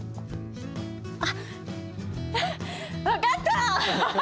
あっ分かった！